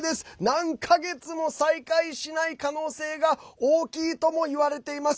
何か月も再開しない可能性が大きいとも言われています。